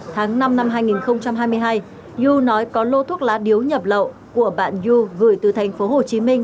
tháng năm năm hai nghìn hai mươi hai yu nói có lô thuốc lá điếu nhập lậu của bạn yu gửi từ thành phố hồ chí minh